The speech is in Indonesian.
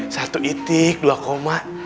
satu itik dua koma